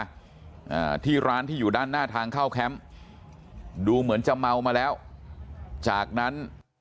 อ่าที่ร้านที่อยู่ด้านหน้าทางเข้าแคมป์ดูเหมือนจะเมามาแล้วจากนั้น